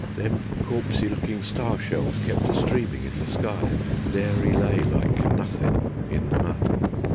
Them corpsy lookin' star shells kept a streamin' in the sky, And there 'e lay like nothin' in the mud.